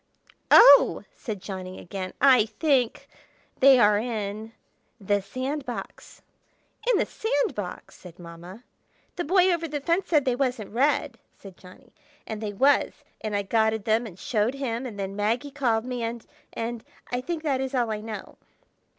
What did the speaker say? "Oh!" said Johnny again. "I think—they are in—the sand box!" "In the sand box!" said Mamma. "The Boy Over the Fence said they wasn't red," said Johnny; "and they was, and I gotted them and showed him, and then Maggie called me, and—and—I think that is all I know."